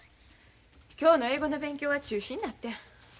今日の英語の勉強は中止になってん。